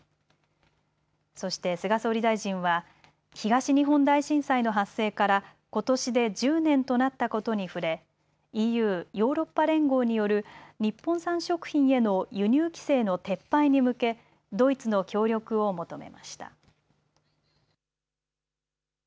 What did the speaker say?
そして菅総理大臣は東日本大震災の発生からことしで１０年となったことに触れ、ＥＵ・ヨーロッパ連合による日本産食品への輸入規制の撤廃に向けドイツの協力を求めました。